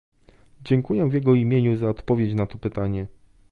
Dziękuję w jego imieniu za odpowiedź na to pytanie